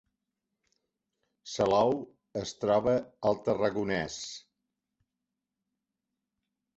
Salou es troba al Tarragonès